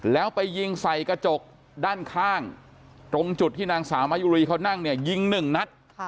แล้วไปยิงใส่กระจกด้านข้างตรงจุดที่นางสาวมายุรีเขานั่งเนี่ยยิงหนึ่งนัด